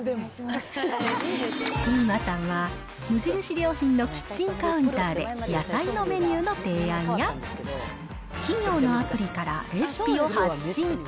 飯間さんは、無印良品のキッチンカウンターで、野菜のメニューの提案や、企業のアプリからレシピを発信。